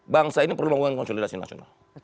bangsa ini perlu membangun konsolidasi nasional